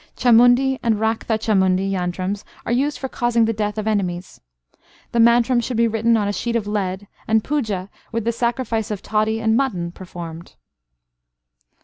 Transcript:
Chamundi and Raktha Chamundi yantrams are used for causing the death of enemies. The mantram should be written on a sheet of lead, and puja, with the sacrifice of toddy and mutton, performed.